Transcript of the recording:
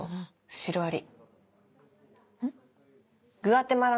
シロアリ？